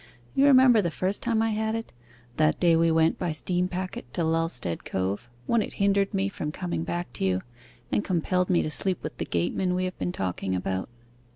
You remember the first time I had it? That day we went by steam packet to Lulstead Cove, when it hindered me from coming back to you, and compelled me to sleep with the gateman we have been talking about.